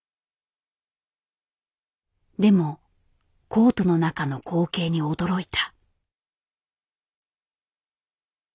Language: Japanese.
でもコートの中の光景に驚いた。